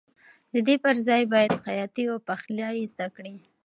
د دې پر ځای باید خیاطي او پخلی زده کړې.